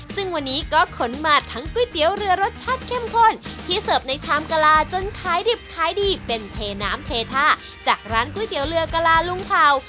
ซึ่งวันนี้ก็ขนมาทั้งก๋วยเตี๋ยวเรือรสชาติเข้มข้นที่เสิร์ฟในชามกะลาจนขายดิบขายดีเป็นเทน้ำเทท่าจากร้านก๋วยเตี๋ยวเรือกะลาลุงเผ่า